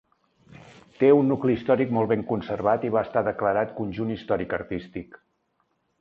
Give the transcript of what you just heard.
Té un nucli històric molt ben conservat i va estar declarat Conjunt Històric-Artístic.